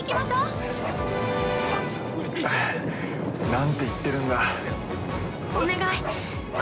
何て言ってるんだ。